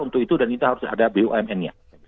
untuk itu dan itu harus ada bumn nya